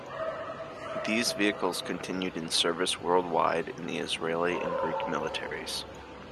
These vehicles continued in service worldwide in the Israeli and Greek militaries.